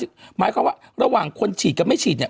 หมายความว่าระหว่างคนฉีดกับไม่ฉีดเนี่ย